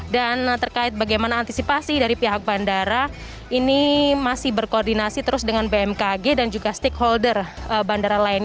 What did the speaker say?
dan terkait bagaimana antisipasi dari pihak bandara ini masih berkoordinasi terus dengan bmkg dan juga stakeholder bandara lain